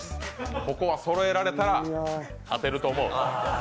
ここはそろえられたら、勝てると思う。